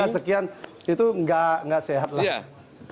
tiga sekian itu nggak sehat lah